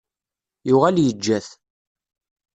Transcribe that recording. Yuɣal yejja-t.